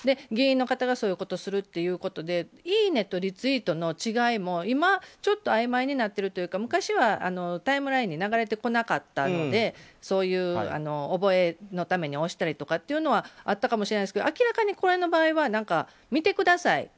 議員の方がそういうことをするということでいいねとリツイートの違いも今、ちょっとあいまいになっているというか昔はタイムラインに流れてこなかったのでそういう覚えのために押したりとかはあったりしたかもしれませんけど明らかに、これの場合は見てください